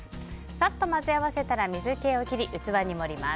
さっと混ぜ合わせたら水気を切り、器に盛ります。